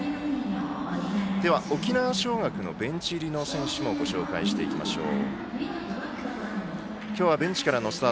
では、沖縄尚学のベンチ入りの選手もご紹介していきましょう。